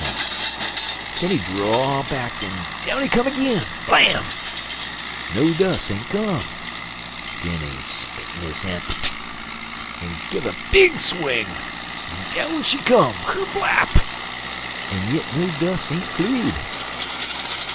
Den he draw back en down he come ag'in blam! No dus' ain't come. Den he spit in his han's, en give 'er a big swing en down she come kerblap! En yit no dus' ain't flew'd.